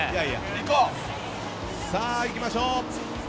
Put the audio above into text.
さあ、行きましょう。